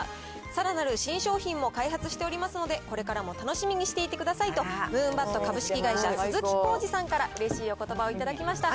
さらなる新商品も開発しておりますので、これからも楽しみにしていてくださいと、ムーンバット株式会社、鈴木康史さんからうれしいおことばを頂きました。